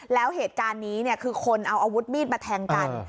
แล้วเหตุการณ์นี้คือคนเอาอาวุธมีดมาแทงกัน